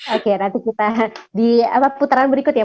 oke nanti kita di putaran berikut ya